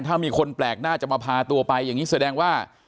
ถ้ามีคนแปลกหน้าจะมาพาตัวไปอย่างนี้แสดงว่า